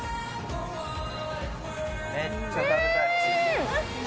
めっちゃ食べたい。